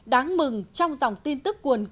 đáng mừng trong dòng tin tức của nước mỹ